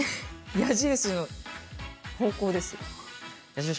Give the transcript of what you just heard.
矢印の方向です。